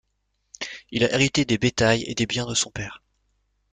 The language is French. Il a hérité des bétail et des biens de son père.